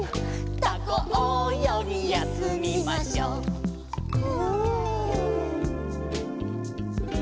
「タコおよぎやすみましょうフ」